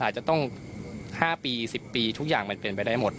อาจจะต้อง๕ปี๑๐ปีทุกอย่างมันเป็นไปได้หมด